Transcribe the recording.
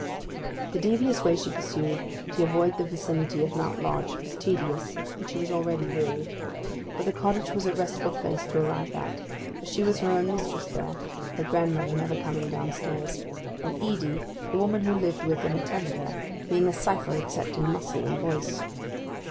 The devious way she pursued, to avoid the vicinity of Mount Lodge, was tedious, and she was already weary. But the cottage was a restful place to arrive at, for she was her own mistress there—her grandmother never coming down stairs—and Edy, the woman who lived with and attended her, being a cipher except in muscle and voice.